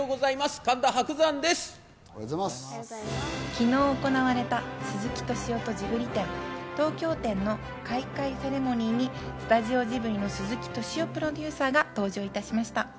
昨日行われた鈴木敏夫とジブリ展・東京展の開会セレモニーに、スタジオジブリの鈴木敏夫プロデューサーが登場いたしました。